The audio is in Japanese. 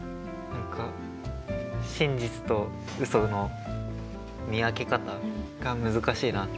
何か真実とうその見分け方が難しいなって思った。